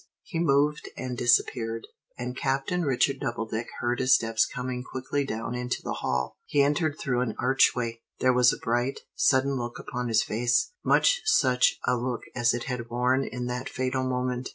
He moved and disappeared, and Captain Richard Doubledick heard his steps coming quickly down into the hall. He entered through an archway. There was a bright, sudden look upon his face, much such a look as it had worn in that fatal moment.